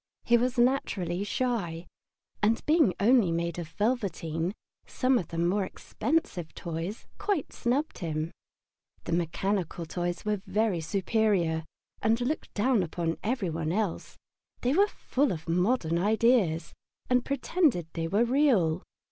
He was naturally shy, and being only made of velveteen, some of the more expensive toys quite snubbed him. The mechanical toys were very superior, and looked down upon every one else; they were full of modern ideas, and pretended they were real.